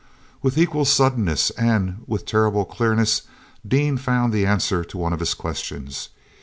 With equal suddenness, and with terrible clearness, Dean found the answer to one of his questions.